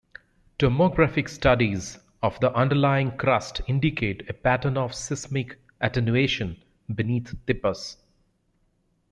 Tomographic studies of the underlying crust indicate a pattern of seismic attenuation beneath Tipas.